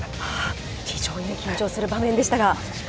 非常に緊張する場面でしたが。